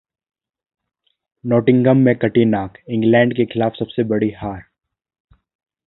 Nottingham में कटी नाक, इंग्लैंड के खिलाफ सबसे बड़ी हार